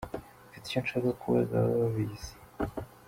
Mfite icyo nshaka kubaza ababa babizi.